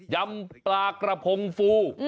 ยำปลากระพงฟู